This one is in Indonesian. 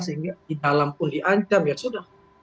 sehingga di dalam pun diancam ya sudah